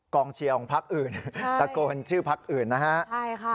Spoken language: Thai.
กองเชียร์ของพักอย่างอื่นตะโกนชื่อพักอย่างอื่นนะฮะเพราะอะไรละ